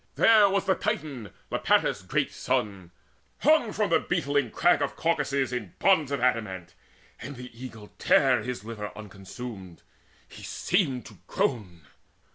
There was the Titan Iapetus' great son Hung from the beetling crag of Caucasus In bonds of adamant, and the eagle tare His liver unconsumed he seemed to groan!